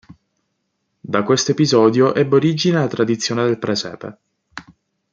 Da questo episodio ebbe origine la tradizione del presepe.